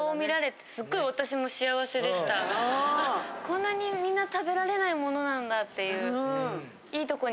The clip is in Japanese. こんなにみんな食べられないものなんだっていう。